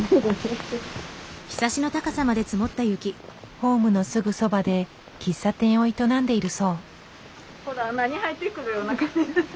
ホームのすぐそばで喫茶店を営んでいるそう。